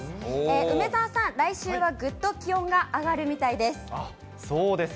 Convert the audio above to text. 梅澤さん、来週はぐっと気温が上がるみたいです。